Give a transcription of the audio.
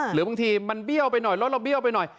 หรือบางทีมันเบี้ยวไปหน่อยแล้วเราเบี้ยวไปหน่อย